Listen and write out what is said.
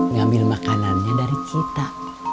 ngambil makanannya dari cita